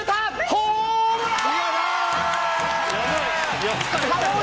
ホームラン！